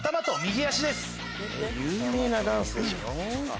有名なダンスでしょ。